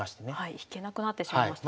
引けなくなってしまいましたね。